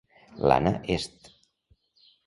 L'Anna est